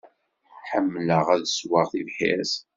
Ḥemmleɣ ad ssweɣ tibḥirt.